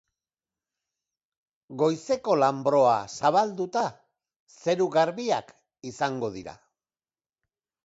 Goizeko lanbroa zabalduta, zeru garbiak izango dira.